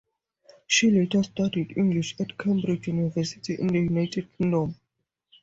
She later studied English at Cambridge University in the United Kingdom.